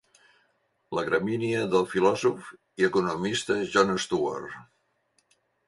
La gramínia del filòsof i economista John Stuart.